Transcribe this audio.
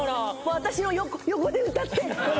私の横で歌って。